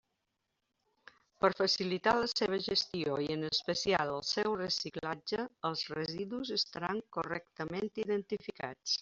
Per facilitar la seva gestió i en especial el seu reciclatge, els residus estaran correctament identificats.